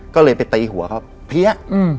ก็เลยไปตีหัวเขาเพี้ย